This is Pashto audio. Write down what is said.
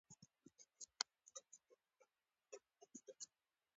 د مجرا د نني غدې موم ډوله توکي ترشح کوي.